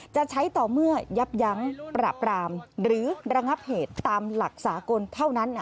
จะใช้ต่อเมื่อยับยั้งปราบรามหรือระงับเหตุตามหลักสากลเท่านั้น